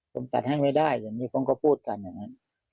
ผมตัดให้ไม่ได้อย่างนี้ผมก็พูดกันอย่างนั้น